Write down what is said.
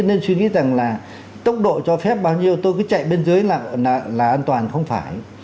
nên suy nghĩ rằng là tốc độ cho phép bao nhiêu tôi cứ chạy bên dưới là an toàn không phải